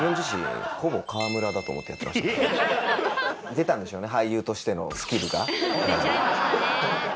出たんでしょうね。